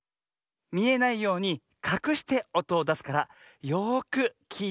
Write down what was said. みえないようにかくしておとをだすからよくきいてね。